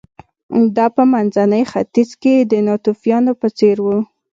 دا په منځني ختیځ کې د ناتوفیانو په څېر و